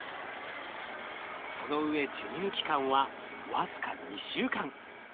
そのうえ授乳期間は僅か２週間。